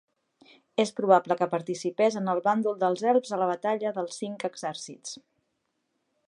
És probable que participés en el bàndol dels elfs a la Batalla dels Cinc Exèrcits.